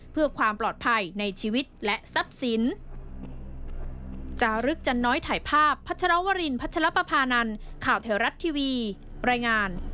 เพื่อความปลอดภัยในชีวิตและทรัพย์สิน